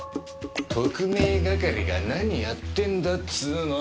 特命係が何やってんだっつうの。